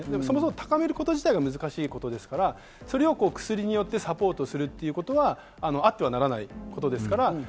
その分、高めること自体が難しいことですから、それを薬によってサポートするということはあってはならないことです。